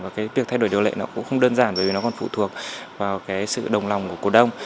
và việc thay đổi điều lệ cũng không đơn giản vì nó còn phụ thuộc vào sự đồng lòng của cổ đông